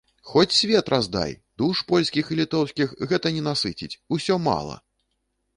Хоць свет раздай, душ польскіх і літоўскіх гэта не насыціць, усё мала!